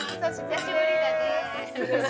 久しぶりだね。